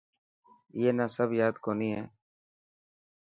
اي نا سب ياد ڪوني هي.